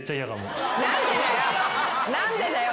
何でだよ！